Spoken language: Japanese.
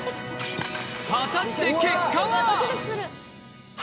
果たして結果は？